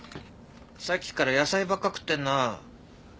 さっきから野菜ばっか食ってんなあ。